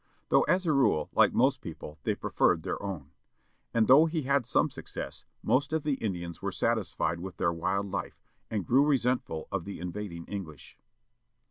Though as a rule, like most people, they preferred their own. And though he had some success, most of the Indians were satisfied with their wild life, and grew resentful of the invading \,,_\ English.